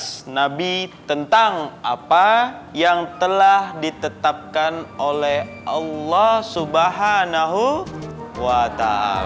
atas nabi tentang apa yang telah ditetapkan oleh allah swt